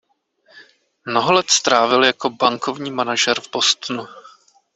Mnoho let strávil jako bankovní manažer v Bostonu.